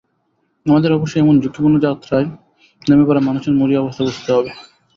আমাদের অবশ্যই এমন ঝুঁকিপূর্ণ অভিযাত্রায় নেমে পড়া মানুষের মরিয়া অবস্থাকে বুঝতে হবে।